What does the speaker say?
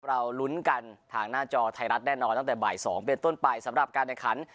เราลุ้นกันทางหน้าจอไทยรัฐแน่นอนตั้งแต่บ่าย๒เป็นต้นไปสำหรับการแข่งขัน